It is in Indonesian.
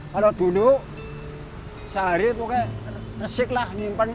kalau dulu sehari resik lah menyimpan lima puluh